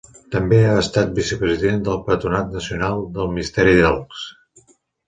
També ha estat vicepresident del Patronat Nacional del Misteri d'Elx.